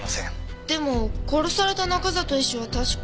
でも殺された中里医師は確か。